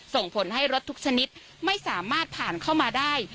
ส่งผลให้รถทุกชนิดไม่สามารถผ่านเข้ามาได้